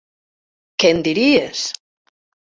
Què en diries?